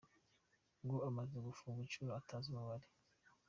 Ngo amaze gufungwa inshuro atazi umubare.